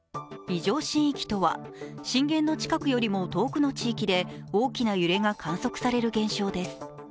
異常震域とは震源の近くよりも遠くの地域で大きな揺れが観測される現象です。